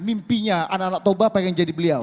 mimpinya anak anak toba pengen jadi beliau